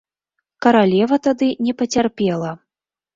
Каралева тады не пацярпела.